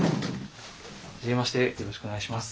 はじめましてよろしくお願いします。